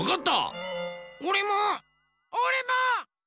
おれも！